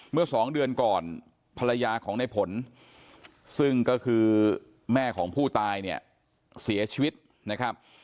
เมื่อสองเดือนก่อนภรรยาของในผลซึ่งก็คือแม่ของผู้ตายเนี่ยเสียชีวิตนะครับ